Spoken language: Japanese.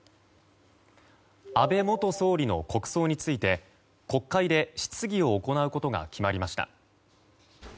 安倍元総理の国葬について国会で質疑を行うことが決まりました。